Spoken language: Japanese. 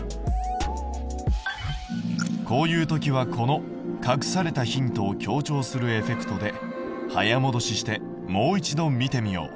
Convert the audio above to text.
こういう時はこの隠されたヒントを強調するエフェクトで早もどししてもう一度見てみよう。